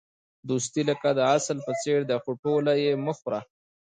دوستي لکه د عسل په څېر ده، خو ټوله یې مه خوره.